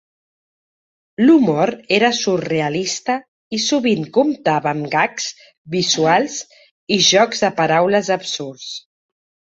L'humor era surrealista i sovint comptava amb gags visuals i jocs de paraules absurds.